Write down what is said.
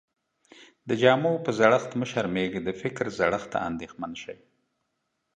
د جامو په زړښت مه شرمېږٸ، د فکر زړښت ته انديښمن سې.